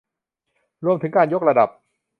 รวมถึงการยกระดับ